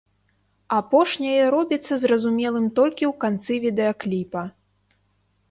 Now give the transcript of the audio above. Апошняе робіцца зразумелым толькі ў канцы відэакліпа.